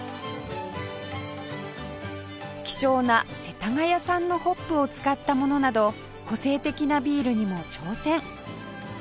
希少な世田谷産のホップを使ったものなど個性的なビールにも挑戦